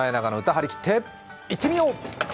張り切って行ってみよう！